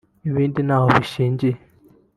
ibindi ntaho bishingiye